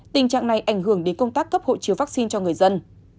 tình trạng này ảnh hưởng đến công tác cấp hộ chiếu vaccine cho người dân